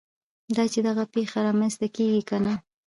دا چې دغه پېښه رامنځته کېږي که نه.